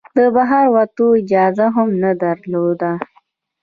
د بهر وتلو اجازه هم نه درلوده.